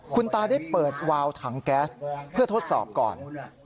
คุณตาได้เปิดวาวถังแก๊สเพื่อทดสอบก่อน